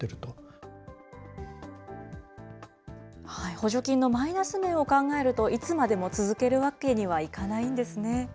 補助金のマイナス面を考えると、いつまでも続けるわけにはいかないんですね。